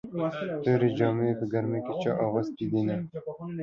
تورې جامې په ګرمۍ چا اغوستې دينه